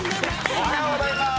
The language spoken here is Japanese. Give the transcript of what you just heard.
おはようございます。